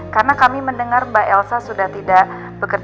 karena kami mendengar mbak elsa sudah tidak nampak terang